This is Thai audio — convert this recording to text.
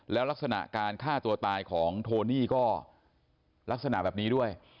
แล้วลักษณะการฆ่าตัวตายของโทนี่ก็ลักษณะแบบนี้ด้วย